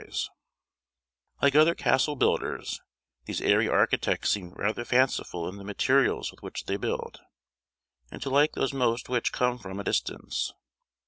[Illustration: After the Straws] Like other castle builders, these airy architects seem rather fanciful in the materials with which they build, and to like those most which come from a distance.